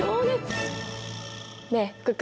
ねえ福君。